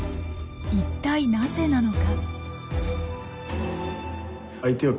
一体なぜなのか？